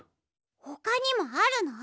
ほかにもあるの？